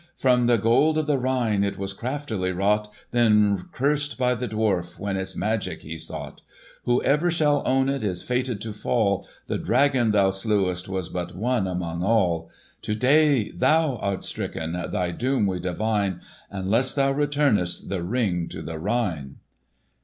From the Gold of the Rhine It was craftily wrought, Then cursed by the dwarf When its magic he sought. Whoever shall own it Is fated to fall; The dragon thou slewest Was but one among all. To day thou art stricken— Thy doom we divine— Unless thou returnest The Ring to the Rhine!"